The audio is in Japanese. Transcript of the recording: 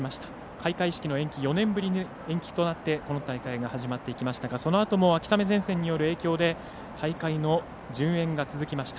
開会式が４年ぶりの延期となってこの大会が始まっていきましたがそのあとも秋雨前線の影響で大会の順延が続きました。